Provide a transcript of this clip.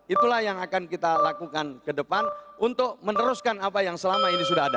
itulah yang akan kita lakukan ke depan untuk meneruskan apa yang selama ini sudah ada